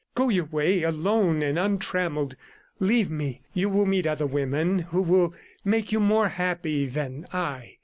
Go your way, alone and untrammelled. Leave me; you will meet other women who will make you more happy than I.